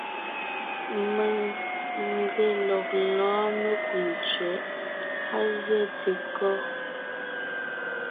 Mèŋ n ge lɔg lɔ́ɔn mekú tsẅɛ̌ʼ. Á zɛ́te kɔ́?